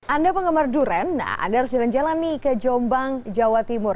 anda penggemar durian nah anda harus jalan jalan nih ke jombang jawa timur